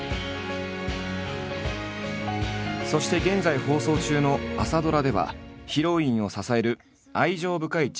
そして現在放送中の朝ドラではヒロインを支える愛情深い父親を演じる。